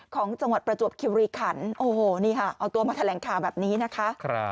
ของจังหวัดประจวบคิวรีขันโอ้โหนี่ค่ะเอาตัวมาแถลงข่าวแบบนี้นะคะ